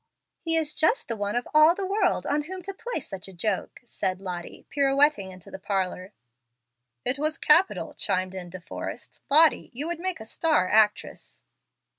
"He is just the one of all the world on whom to play such a joke," said Lottie, pirouetting into the parlor. "It was capital!" chimed in De Forrest. "Lottie, you would make a star actress."